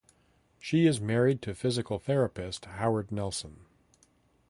She is married to physical therapist Howard Nelson.